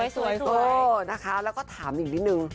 สวยนะคะแล้วก็ถามอีกนิดนึง